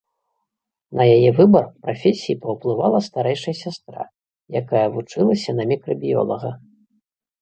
На яе выбар прафесіі паўплывала старэйшая сястра, якая вучылася на мікрабіёлага.